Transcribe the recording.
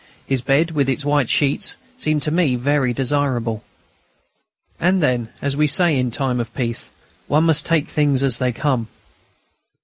His bed, with its white sheets, seemed to me very desirable. And then, as we say in time of peace, one must take things as they come.